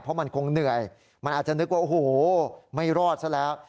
เพราะมันคงเหนื่อยมันอาจจะนึกว่าโอ้โหไม่รอดซะแล้ว